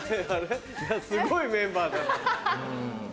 すごいメンバーだ。